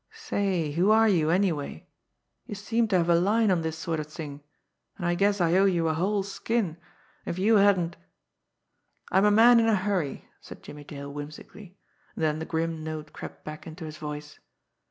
Say, who are you anyway? You seem to have a line on this sort of thing, and I guess I owe you a whole skin. If you hadn't " "I'm a man in a hurry," said Jimmie Dale whimsically and then the grim note crept back into his voice.